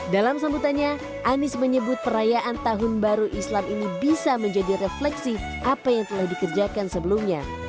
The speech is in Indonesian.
dalam sambutannya anies menyebut perayaan tahun baru islam ini bisa menjadi refleksi apa yang telah dikerjakan sebelumnya